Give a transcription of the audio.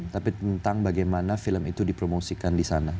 tapi tentang bagaimana film itu dipromosikan di sana